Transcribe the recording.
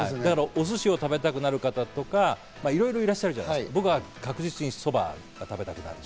お寿司を食べたくなる方とかいろいろいらっしゃいますけど、僕は確実にそばが食べたくなる。